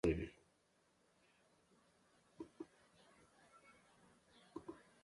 پیاله د دعاو شېبې خوږوي.